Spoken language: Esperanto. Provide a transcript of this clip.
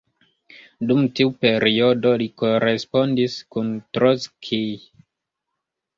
Dum tiu periodo li korespondis kun Trockij.